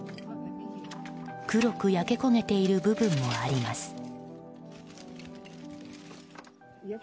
黒く焼け焦げている部分もあります。